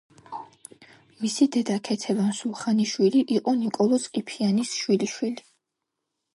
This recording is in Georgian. მისი დედა ქეთევან სულხანიშვილი იყო ნიკოლოზ ყიფიანის შვილიშვილი.